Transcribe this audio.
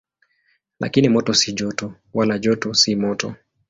Lakini moto si joto, wala joto si moto.